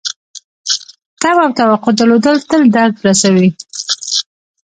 تمه او توقع درلودل تل درد رسوي .